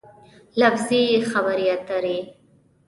لفظي خبرې اترې